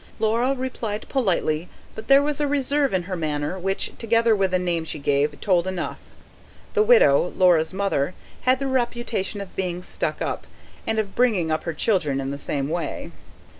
Laura replied politely; but there was a reserve in her manner which, together with the name she gave, told enough: the widow, Laura's mother, had the reputation of being very "stuck up", and of bringing up her children in the same way.